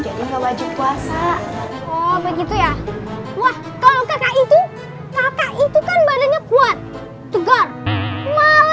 jadi wajib puasa begitu ya wah kalau kakak itu kakak itu kan badannya kuat juga mau